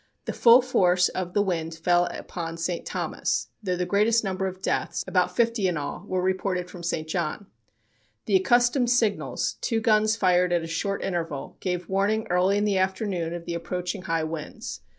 The full force of the wind fell upon St. Thomas, though the greatest number of deaths about fifty in all were reported from St. John. The accustomed signals two guns fired at a short interval gave warning early in the afternoon of the approaching high winds.